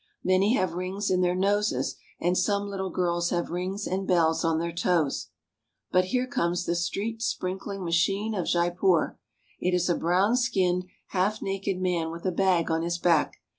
Many have rings in their noses, and some little girls have rings and bells on their toes. But here comes the street sprinkling machine of Jaipur. It is a brown skinned, half naked man with a bag on his back.